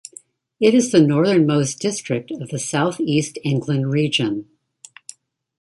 It is the northernmost district of the South East England Region.